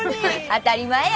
当たり前や。